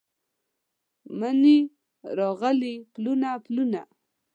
مني راغلي پلونه، پلونه